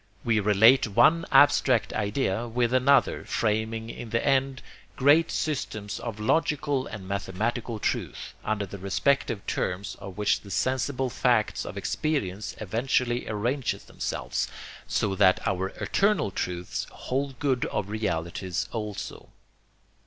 We relate one abstract idea with another, framing in the end great systems of logical and mathematical truth, under the respective terms of which the sensible facts of experience eventually arrange themselves, so that our eternal truths hold good of realities also.